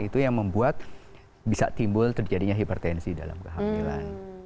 itu yang membuat bisa timbul terjadinya hipertensi dalam kehamilan